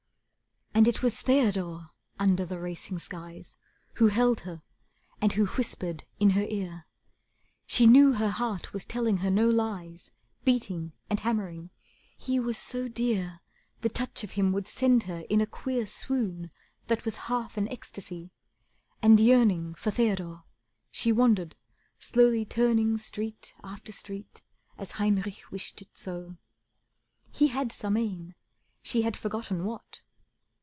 And it was Theodore, under the racing skies, Who held her and who whispered in her ear. She knew her heart was telling her no lies, Beating and hammering. He was so dear, The touch of him would send her in a queer Swoon that was half an ecstasy. And yearning For Theodore, she wandered, slowly turning Street after street as Heinrich wished it so. He had some aim, she had forgotten what.